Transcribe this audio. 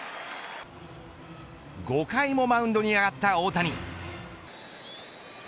５回もマウンドに上がった大谷。